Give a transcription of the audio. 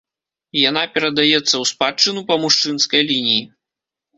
Яна перадаецца ў спадчыну па мужчынскай лініі.